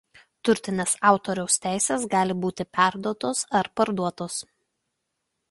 Turtinės autoriaus teisės gali būti perduotos ar parduotos.